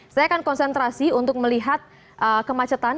saya akan konsentrasi untuk melihat kemacetan